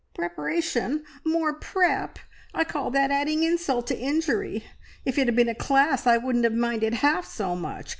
"Preparation! More prep! I call that adding insult to injury. If it had been a class, I wouldn't have minded half so much.